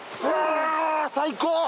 あぁ最高！